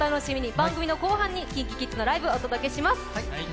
番組の後半にＫｉｎＫｉＫｉｄｓのライブ、お届けします。